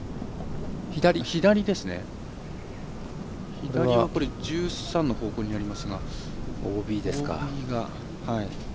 左は１３の方向にありますが。